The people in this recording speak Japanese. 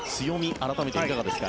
改めていかがですか。